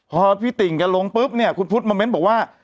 พอพี่ติ่งแกลงปุ๊บเนี่ยคุณพุทธมาเม้นบอกว่า